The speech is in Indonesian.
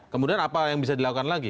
kemudian apa yang bisa dilakukan lagi